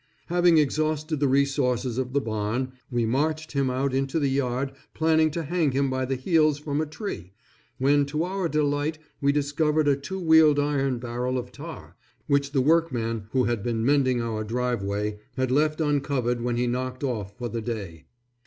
Having exhausted the resources of the barn, we marched him out into the yard planning to hang him by the heels from a tree, when to our delight we discovered a two wheeled iron barrel of tar, which the workman who had been mending our driveway, had left uncovered when he knocked off for the day.